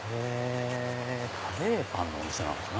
カレーパンのお店なんだな。